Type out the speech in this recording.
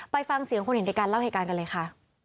ไปฟังเสียงคนเห็นในการเล่าเหตุการณ์กันเลยค่ะ